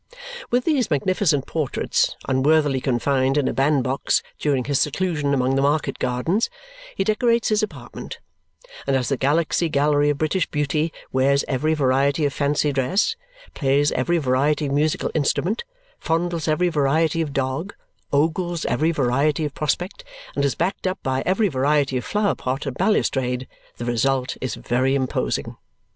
With these magnificent portraits, unworthily confined in a band box during his seclusion among the market gardens, he decorates his apartment; and as the Galaxy Gallery of British Beauty wears every variety of fancy dress, plays every variety of musical instrument, fondles every variety of dog, ogles every variety of prospect, and is backed up by every variety of flower pot and balustrade, the result is very imposing.